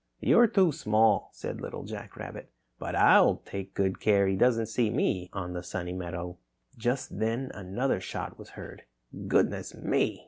"You're too small," said Little Jack Rabbit, "but I'll take good care he doesn't see me, on the Sunny Meadow." Just then another shot was heard. "Goodness me!"